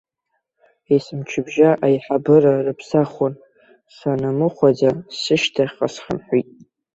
Есымчыбжьа аиҳабыра рыԥсахуан, санамыхәаӡа, сышьҭахьҟа схынҳәит!